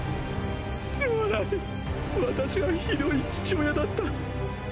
すまない私はひどい父親だった！！